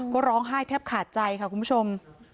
ก็ร้องไห้แทบขาดใจค่ะคุณผู้ชม